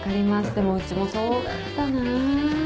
でもうちもそうだったな。